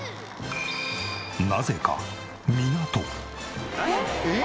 なぜか港。